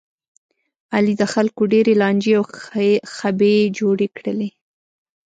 علي د خلکو ډېرې لانجې او خبې جوړې کړلې.